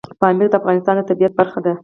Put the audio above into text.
پامیر د افغانستان د طبیعت برخه ده.